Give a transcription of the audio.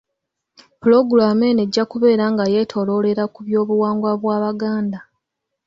Pulogulaamu eno ejja kubeera nga yeetooloolera ku by’Obuwangwa bw'Abaganda